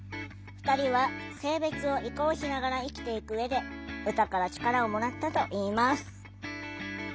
２人は性別を移行しながら生きていく上で歌から力をもらったといいます。